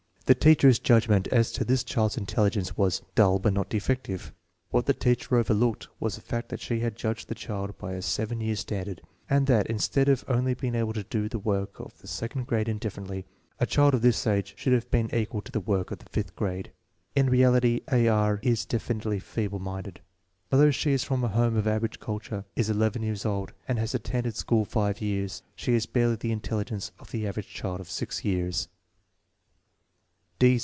The teacher's judgment as to this child's intelligence was "dull but not defective." What the teacher overlooked was the fact that she had judged the child by a 7 ycar standard, and that, instead of only being able to do the work of the second grade indifferently, a child of this age should have been equal to the work of the fifth grade. In reality, A. R. is definitely feeble minded. Although she is from a home of average culture, is 11 years old, and has attended school five years, she has barely the intelligence of the average child of six years.